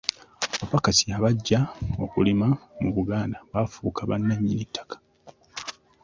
Abapakasi abajja okulima mu Buganda baafuuka bannannyi ttaka.